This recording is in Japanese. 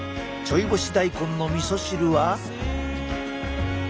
ちょい干し大根のみそ汁は？